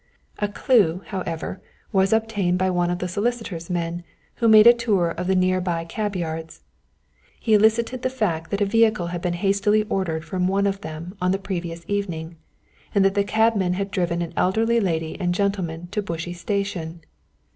"A clue, however, was obtained by one of the solicitor's men who made a tour of the near by cab yards. He elicited the fact that a vehicle had been hastily ordered from one of them on the previous evening, and that the cabman had driven an elderly lady and gentleman to Bushey station.